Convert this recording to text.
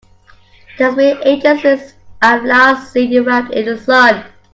It has been ages since I've last seen you out in the sun!